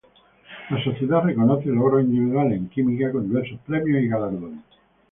La sociedad reconoce los logros individuales en química con diversos premios y galardones.